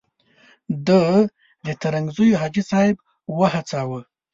ده د ترنګزیو حاجي صاحب وهڅاوه.